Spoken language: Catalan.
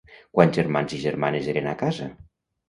Quants germans i germanes eren a casa?